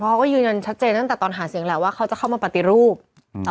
เขาก็ยืนยันชัดเจนตั้งแต่ตอนหาเสียงแหละว่าเขาจะเข้ามาปฏิรูปอืม